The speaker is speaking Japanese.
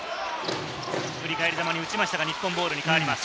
振り返りざまに打ちましたが、日本ボールに変わりました。